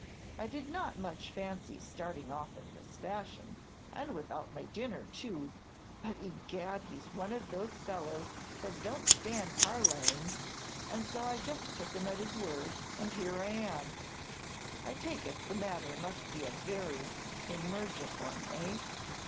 I did not much fancy starting off in this fashion, and without my dinner, too; but egad! he's one of those fellows that don't stand parleying, and so I just took him at his word, and here I am. I take it the matter must be a very emergent one, eh?"